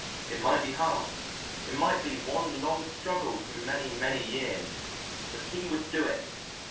It might be hard; it might be one long struggle through many, many years, but he would do it.